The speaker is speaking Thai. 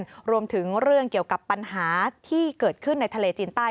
รวมถึงเรื่องเกี่ยวกับปัญหาที่เกิดขึ้นในทะเลจีนใต้